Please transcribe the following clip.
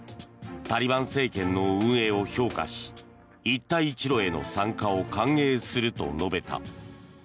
タリバン政権の運営を評価し一帯一路への参加を歓迎すると述べた。